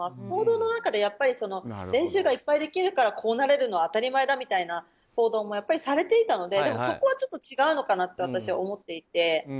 報道の中で練習がいっぱいできるからこうなれるのは当たり前だみたいな報道もされていたのでそこはちょっと違うのかなと私は思っていて。